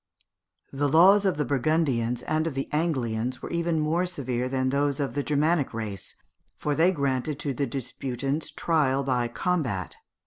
The laws of the Burgundians and of the Anglians were more severe than those of the Germanic race, for they granted to the disputants trial by combat.